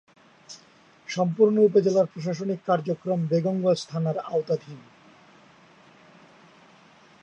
সম্পূর্ণ উপজেলার প্রশাসনিক কার্যক্রম বেগমগঞ্জ থানার আওতাধীন।